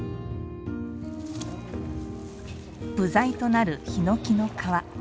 部材となるひのきの皮。